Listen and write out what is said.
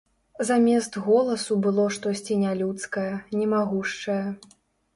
Замест голасу было штосьці нялюдскае, немагушчае.